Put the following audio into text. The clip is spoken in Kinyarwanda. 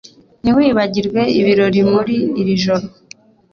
Ntiwibagirwe ibirori muri iri joro